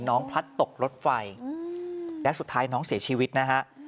พลัดตกรถไฟและสุดท้ายน้องเสียชีวิตนะฮะ